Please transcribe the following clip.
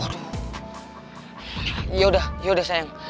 yaudah yaudah sayang